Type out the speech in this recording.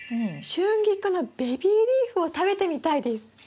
シュンギクのベビーリーフを食べてみたいです。